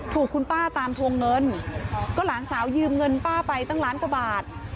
ถูกคุณป้าตามทวงเงินก็หลานสาวยืมเงินป้าไปตั้งล้านกว่าบาท